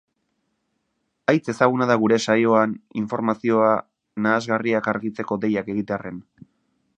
Haitz ezaguna da gure saioan informazio nahasgarriak argitzeko deiak egitearren.